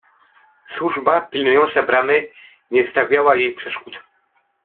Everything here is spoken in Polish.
Służba pilnująca bramy nie stawiała jej przeszkód.